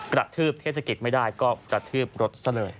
กระทืบเทศกิจไม่ได้ก็กระทืบรถซะเลย